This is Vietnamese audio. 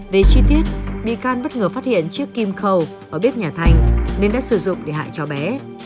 về chi tiết bị can bất ngờ phát hiện chiếc kim khẩu ở bếp nhà thành nên đã sử dụng để hại cho bé